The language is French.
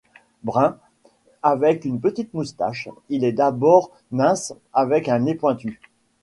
Brun, avec une petite moustache, il est d'abord mince avec un nez pointu.